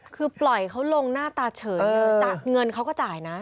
คือปล่อยเขาลงหน้าตาเฉยเงินเขาก็จ่ายนะ